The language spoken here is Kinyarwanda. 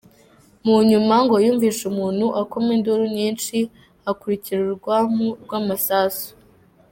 Mu nyuma ngo yumvise umuntu akoma induru nyinshi, hakurikira urwamo rw'amasasu.